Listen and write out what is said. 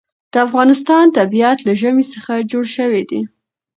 د افغانستان طبیعت له ژمی څخه جوړ شوی دی.